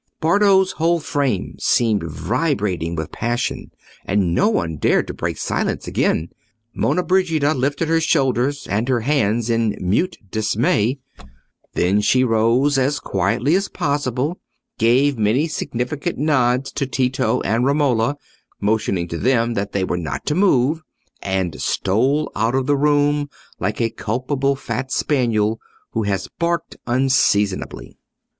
Bardo's whole frame seemed vibrating with passion, and no one dared to break silence again. Monna Brigida lifted her shoulders and her hands in mute dismay; then she rose as quietly as possible, gave many significant nods to Tito and Romola, motioning to them that they were not to move, and stole out of the room like a culpable fat spaniel who has barked unseasonably.